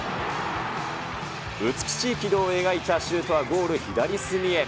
美しい軌道を描いたシュートは、ゴール左隅へ。